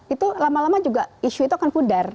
itu lama lama juga isu itu akan pudar